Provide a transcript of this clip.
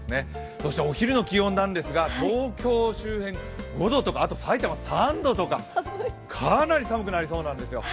そしてお昼の気温なんですが東京周辺５度とか埼玉３度とかかなり寒くなりそうなんですよ。